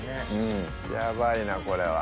ヤバいなこれは。